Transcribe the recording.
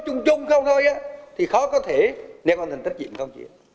nhưng cũng không rv found ngôi anh tự miễn cuộc